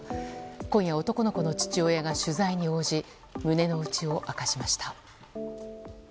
今夜、男の子の父親が取材に応じ胸の内を明かしました。